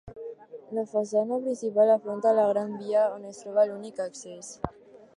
La façana principal afronta a la Gran Via on es troba l'únic accés.